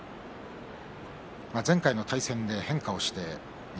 前回の対戦で変化をして翠